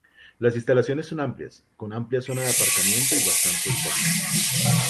Las instalaciones son amplias, con amplia zona de aparcamiento y bastantes boxes.